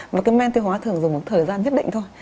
và cái men tiêu hóa thường dùng một thời gian nhất định thôi